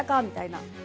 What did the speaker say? みたいな。